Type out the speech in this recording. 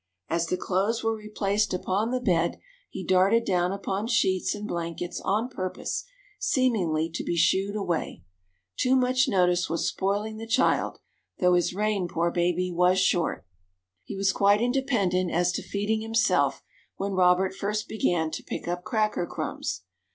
As the clothes were replaced upon the bed he darted down upon sheets and blankets on purpose, seemingly, to be "shooed" away. Too much notice was spoiling the child, though his reign, poor baby, was short! He was quite independent as to feeding himself when Robert first began to pick up cracker crumbs.